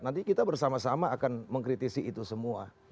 nanti kita bersama sama akan mengkritisi itu semua